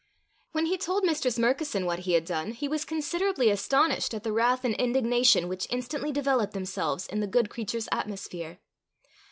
When he told Mistress Murkison what he had done, he was considerably astonished at the wrath and indignation which instantly developed themselves in the good creature's atmosphere.